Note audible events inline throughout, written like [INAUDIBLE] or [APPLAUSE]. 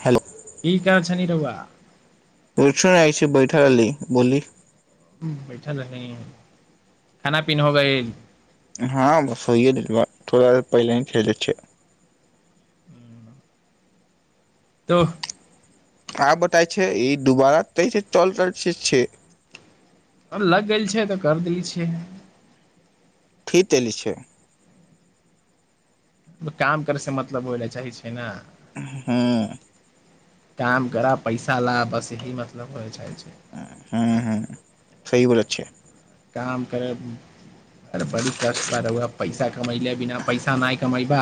hello ठ कह शनिरव सु आइ छै बैठकल बोली बैठल रहे है खाना पीना हो गए हँ बस होहि थोड़ा पहिले ही खेल छै हू त आ बताय छै ई दुबारा तैस चल रहल छै छै आ लग गेल छै तऽ कर देली छियै ठीतैल छै काम करै से मतलब होय लए चाहै छै ने हँ काम करा पैसा ला बस यह मतलब होइ छै हँ हँ सही बोल छै काम कर अरे बड़ी कष्ट बार पैसा कमैले बिना पैसा नहि कमैबा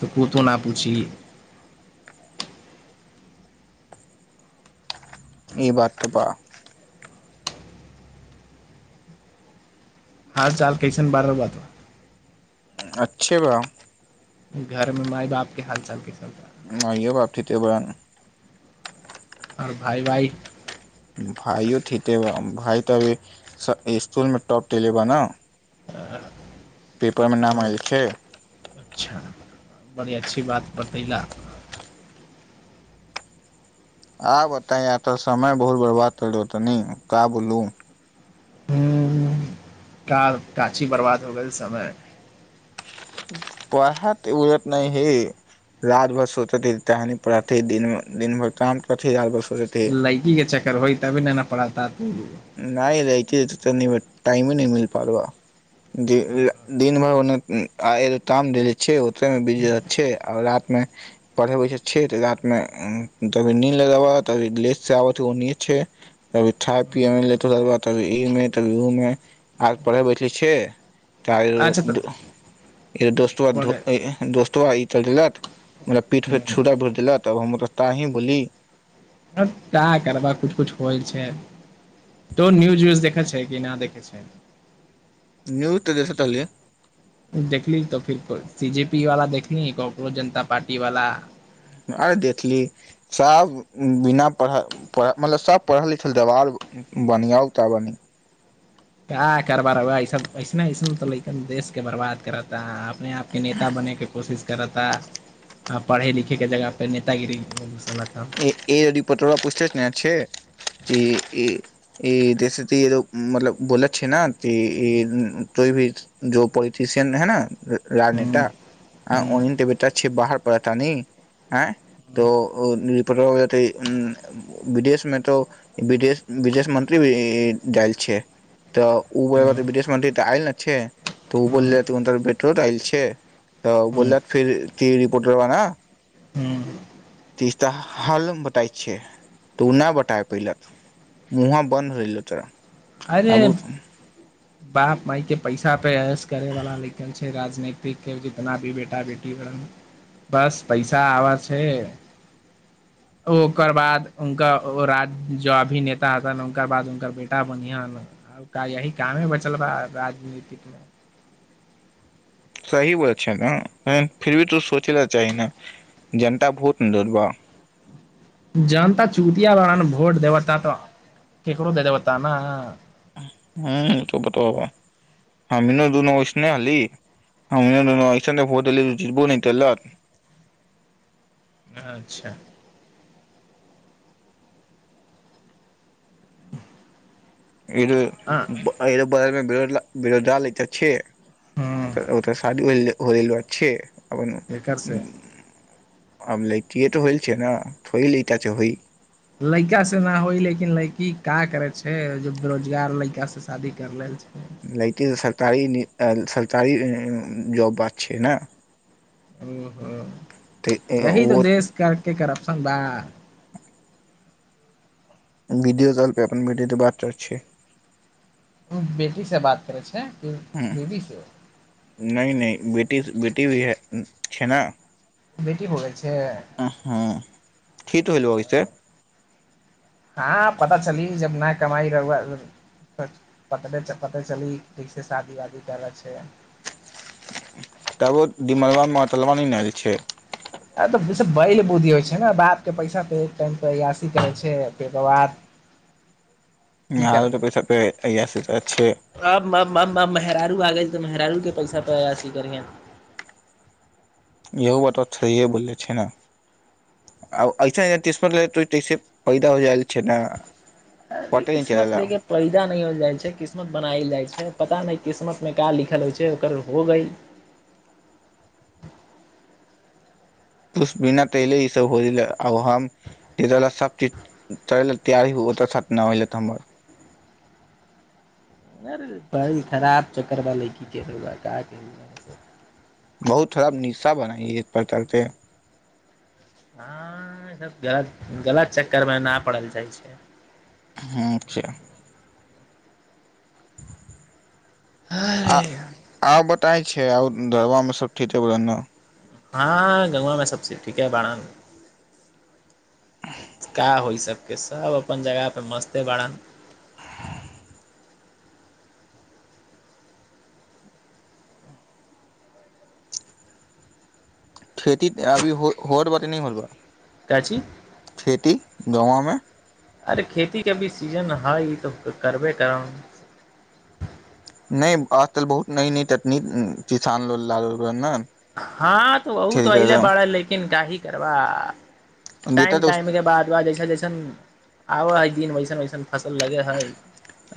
तऽ कोतो नहि पूछिह ई बात तऽ बा हाल चाल कैसन बारह बात अच्छे भा घरमें माय बाप के हाल चाल के सब नहिो बापथि त ब ने आर भाइ भाइ भाइयो े भइ तऽ अभी स्कूल मे टॉप त लेबा ने आ पेपरमे नाम आय छै अच्छा बड़ी अच्छी बात बतयला आ बताय या तऽ समय बहुत बर्बाद करल तनी त बोललू ह क काची बर्बाद हो गेल समय पढ़त त उलत न हे रात भर सोचे त पढ़े दिन दिन भर काम कर र भर सोचत हे लड़की के चक्कर होइ तभी न न पढ़ता हूँ नहि रत त टाइम नहि मिल प दिन भर ओाम छै ी अच्छे आ रात मे पढ़े छै रात मेी नी लगाब ती ले से आब छैभ ठ ेाद ई मे ती उ मे आर पढ़े बैठले छ अच्छा तऽ त दोस्तो पढ़े दोस्तो चल लात ओरा पीठ पे ह छूरा भर देलक तब हम रस्ता ही बोली ता करबा किुछु किुछु होइ छै तो न्यूज उूज देखै छै कि नहि देखै छै न्यू तऽ देसतलियै देखली त फि सीजे पी वाला देखली जनता पार्टी वाला आरे देखली सभ बिना पढ़ मतलब सब पढ़ल लिखल देबर बनिआउ तऽ बनी क करबारा ऐस ऐसने ऐसन तऽ लेक देश के बर्बाद करता है अपने आपके नेता बनेके कोशिश करता आ पढ़े लिखे के जगह पे नेतागिरी ए अजी पत्रर पूछते ने य छै कि ई तस ती मतलब बोलत छै ने त ई त भी जो पोलिटशियन है ने ह राजनेता ह आ ओनले बेटा छै बाहर परतनी हँ तो विदेश मे तो विदेश मंत्री भी ल छिय तऽ ओ ह विदेश मंत्री तऽ आयल ने छै तऽ ओ बोलले त टट आयल छै तऽ ह ह बोल फिर ती पुटरब ने ह तीसता हल बताय छ तू नहि बता पैल मुह बन्द रहल अरे आबू तऽ बाप मााय के पैसा पेस करे वाला लिखल छै राजनतिक के जितना भी बेटा बेटी बढ़ बस पैसा आवै छै ओकर बाद उनका ओ राज जो अभिनेता हतन उनककर बाद उनकर बेटा बढ़आ ने यही कामे बचलबा राजनीतिकमे सही बात छै ने फिर भी तू सोचै ल चाही ने जनता वोट न दबा जनता चूतिया वा ने भोट देबता तो केकरो दे देबता ने ह त बता हमी दुन वसने हली हम दुनसने भोती जितबो न तेल अच्छा [UNINTELLIGIBLE] ह ईद पढ़य मे बेरोजगार लड़का छीये ओ ह ओ तऽ साादी मे होलल बात छै एकर से अपनबन हमब लिट्टी तऽ होइल छै नेइल त छै होइ लड़का से ना होइ लेकिन लड़की का करै छै जे बेरोजगार लड़का से शादी कर लेल छै सकारी सरकारी जॉब ब छै ने ह तऽ हू यी त ओ देश करके करब सरदान वीडियो चले पै अपन विडियो त बात करय छी बेटी से बात करै छ ह नहि नहि बेटी ी भी छै ने बेटी ब छै ह कठी त होलगैस हँ पता चली जब नहि कमाई रह पता चली ठीके शादी वादी कर रहल छै तबो दिमलबा मतलबा नहि नहिल छै आ त बैल बुद्धि होइ छै ने बापके पैसा एक टाइमयासी करै छै फकर बाद की हालो तऽ करबै पैस पे अय से तऽ अचछे आग गेल तऽ मेहरालू के पैसा पयासी करिय य बात स बोलले छै ने आ ऐस तैसे पैदा हो जाल छै ने अ पते नहि किसुत चलेला लेकके पहिदान नहि ह छै किस्मत बनायल जाइ छै पता नहि किस्मत मे का लिखल होइ छै ओकर हो ग तुष्बण तहिल ईस होल आाम स चीज चलल त्य ओत छथ न होल त हमर खराब चक्कर व लै की कह बहुत खराब निशा बनाइ इ पर चलते हँ ईसभ गलत गलत चक्करमे नहि पड़ल जाइ छै अच्छा आ आ बत तय छै आब धरबा मे सब ठीके हँ गंगआमें सबची ठीक ह बारान क होइ छै के सभ अपन जगहपर मस्ते बड़नि खेती अभी होर बा त नहि होर बा काची खेती गाँवमे अरे खेतीके भी सीजन हइ तऽ करबे करब नहि आज तल बहुत न न तनी किसान ल लल ने हँ तऽ बहु तऽ अहिल बाल लेकिन काह जेकरबा देता टाइम तऽ टाइम के बाद बाद जैस जैसन आब हइ दिन वैसन वैसन फसल लगे हइ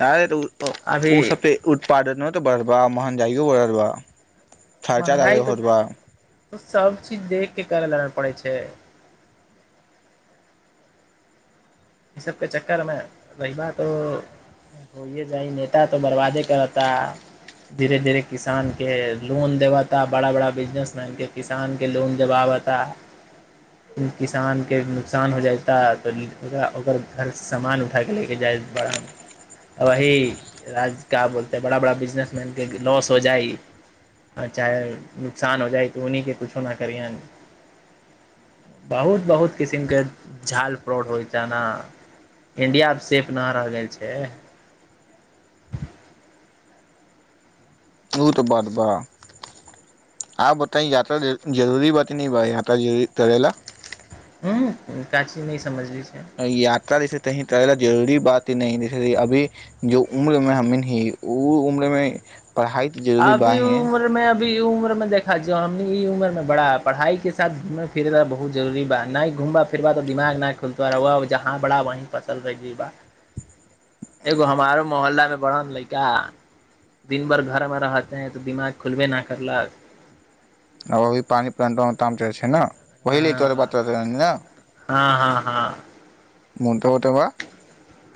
अर त अभी ओ सब पे उत्पादन तऽ बढ़बा महंगगाइो बढ़ आबा खर्चा दार हरबा त सब चीज देख के करय ल पड़ै छै ई सबके चक्करमे रैबा त होए जाइ नेता तो बर्बादे करता धीरे धीरे किसान के लोन देबाता बड़ा बड़ा बिजनेसमैन के किसान के लोन देबा बाताा किसान के नुकसान हो जाता त ओकरा ओकर घर सान उठाक लेके जाइ बड़ामे वही राज का बोलते बड़ा बड़ा बिजनेसमैनके लॉस हो जाइ चाहे नुकसान हो जाइ तऽ उन्ने कुछो नहि करन बहुत बहुत किसिम के झाल फ्रॉड होइ जेना इण्डिया सेफ नहि रहि गेल छै शू तऽ बाद बा आ बता य्र जरूरी बात न भाय यात ज धेला ह काची नहिी समझली छै याता दस कही तला जरूरी बात ही नहि अभी जो उम्र मे हमी ही ओ उम्र मे पढ़ाइ तऽ जरूरी ब अभी ह उम्र मे अभी ई उम्र मे देखा ज हम ई उमर मे बड़ा पढ़ाई के साथ घूमे फिर ल बहुत जरुररी बा न नहि घुमबा फिरबा तऽ दिमाग नहि खुलतो जहाँ बड़ा वही फसल रह बा एगो हमारो मोहल्ला मे वरण लड़िका दिन भरि घरमे रहते हैं तऽ दिमाग खुलबे नहि करलक आ अभी पानि प्लांटोमे ताम चै छै ने बहिले तोर हँ पात्र ने हँ हँ हँ मन्ट हो त व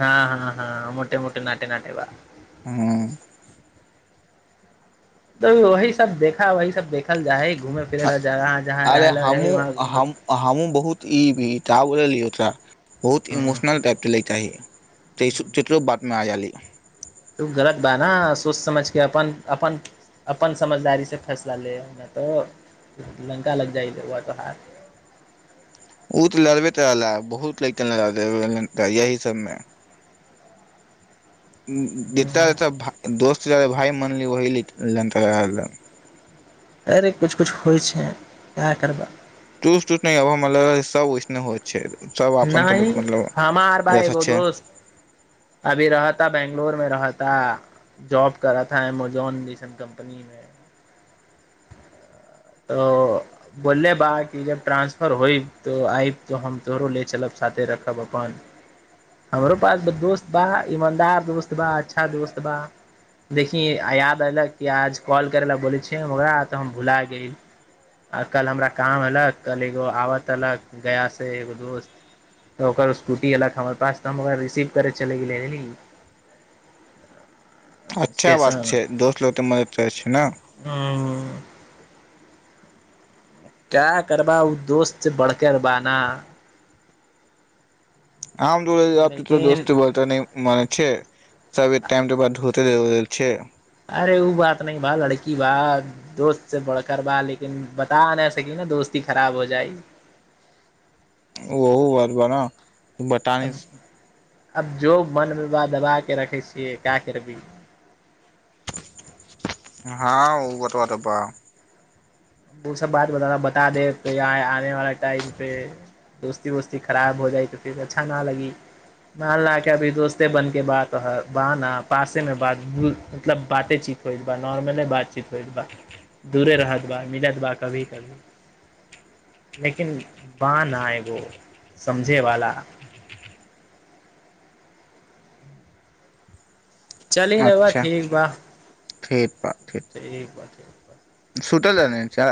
हँ हँ हँ मोटे मोटे नटे नटे बा हँ त वही सब देखा वही सब देखल जाएगी अरे हमहु वहाँ घूम हमहु बहुत ई भीटाो क बहुत इमोशनल टाइपके लैके चाही तइसुत चित्र बादमे आयाली तू गलत बा ह सोच समझ के अपन अपन अपन समझदारी से फैसला ले तो लंका लग जाइ तो ह ओ तऽ लड़बैत रहला बहुत लैकन लड़ यही सभमे जता रहता दोस्त भाय मनली ओहली अरे किछु किछु होइ छै इएह करबा टुस टुस नहि अभ म सब ओहिसने होइ छै सब अपन सब नहि मतलब हमार भााय अच्छा एगो छै दोस्त अभी रहता बैंगलोर मे रहता ा जॉब कराथा अमेजॉन मशन कम्पनीमे तऽ बोलले बा कि जब ट्रानंसफर होइ तो आयब तऽ हम तोहरो ले चलब साथे रखब अपन हमरो पास दोस्त बा ईमानदार दोस्त बा अच्छा दोस्त बा देखी याद अयलक कि आज कॉल करै लए बोलै छिय ओरा तऽ हम भुला गेल आ कल हमरा काम अलक कल एगो आबतलक गयासँ एगो दोस्त तऽ ओकर स्कूटी अलक हमर पास तऽ हम ओकरा रिसीव करै चलि गेलिय ह अच्छा बात छै दोस्त लोकग ते मदद करै छै ने क्या करबा ओ दोस्त बढ़के बाना आ तो लेकिन दोस्त बोलते मान छ सब टाइम बादते छै अरे उ बात नहि भा लड़की बा दोस्त से बढ़कर बा लेकिन बता नहि सकी न दोस्ती खराब हो जाइ ओहो बरबर अब बटानिस अब जो मनमे बा दबा के रखै छियै क्य करबी हँ ओ ब तऽ बट ब ओ सब बात बता देब त य आने वाला टाइम पे दोस्ती वोस्ती खराब हो जाइ तऽ फिर अच्छा ना लगी माल ल के अभी दोस्ते बन के बात ब न पासे में बात मतलब बाते चीत हो एक बार नॉर्मले बातचीत होइ एक बार दूरे रहत बात मिलत बा कभी कभी लेकिन बाँ न एगो समझे वाला चली रौआ अच्छा ठीक बा ठीक बा ठीक बा ठीक बा त सुतल रहली जँ